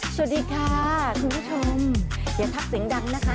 สวัสดีค่ะคุณผู้ชมอย่าทักเสียงดังนะคะ